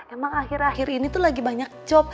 emang akhir akhir ini tuh lagi banyak job